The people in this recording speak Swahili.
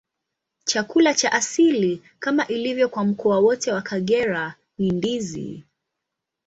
Chakula cha asili, kama ilivyo kwa mkoa wote wa Kagera, ni ndizi.